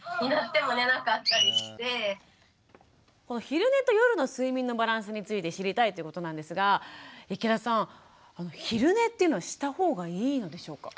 昼寝と夜の睡眠のバランスについて知りたいということなんですが池田さん昼寝というのはした方がいいのでしょうか？